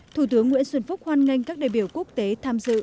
thủ tướng nguyễn xuân phúc hoan nghênh các đại biểu quốc tế tham dự